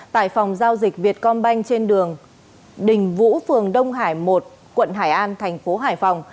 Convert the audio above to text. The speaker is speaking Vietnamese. tại phòng giao dịch vietcombank trên đường đình vũ phường đông hải một quận hải an thành phố hải phòng